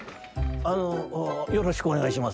「あのよろしくおねがいします」。